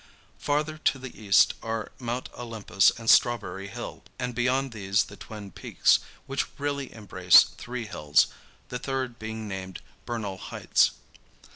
Farther to the east are Mount Olympus and Strawberry Hill, and beyond these the Twin Peaks, which really embrace three hills, the third being named Bernal Heights.